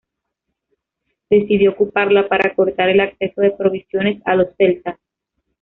Decidió ocuparla para cortar el acceso de provisiones a los celtas.